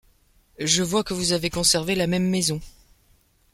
Je vois que vous avez conservé la même maison.